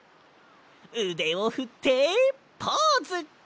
うでをふってポーズ！